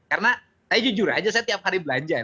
karena saya jujur saja saya tiap hari belanja